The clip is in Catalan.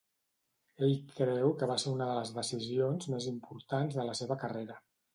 Ell creu que va ser una de les decisions més importants de la seva carrera.